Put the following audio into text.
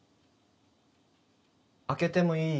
開けてもいい？